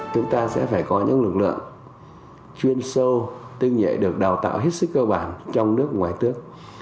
chúng ta sẽ phải có những lực lượng chuyên sâu tư nhảy được đào tạo hết sức cơ bản trong nước ngoài tước